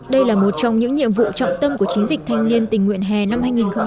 đây là một trong những nhiệm vụ trọng tâm của chiến dịch thanh niên tình nguyện hè năm hai nghìn một mươi chín